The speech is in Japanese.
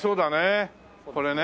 これね。